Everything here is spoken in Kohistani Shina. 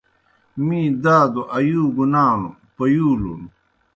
می دادوْ آیُوگوْ نانوْ پیُولُن۔